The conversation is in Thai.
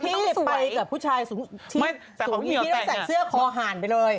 พี่เป็นชุดที่ไปกับผู้ชายที่สูงทีไปใส่เสื้อคอหารไปเลย